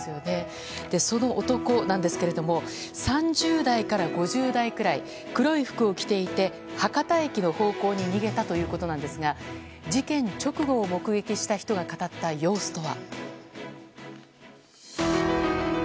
その男ですが３０代から５０代くらい黒い服を着ていて博多駅の方向に逃げたということなんですが事件直後を目撃した方が語った様子とは。